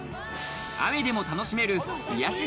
雨でも楽しめる癒やし